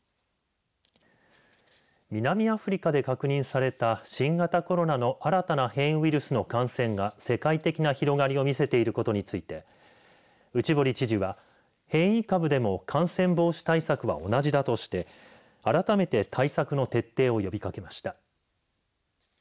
南アフリカで確認された新型コロナの新たな変異ウイルスの感染が世界的な広がりを見せていることについて内堀知事は変異株でも感染防止対策は同じだとして改めて対策の徹底を呼びかけました。